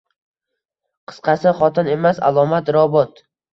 Qisqasi, xotin emas, alomat robot